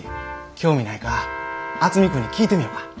興味ないか渥美君に聞いてみよか。